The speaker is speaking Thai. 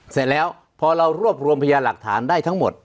เสร็จแล้วพอเรารวบรวมพยาหลักฐานได้ทั้งหมด